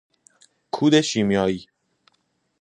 کود شیمیایی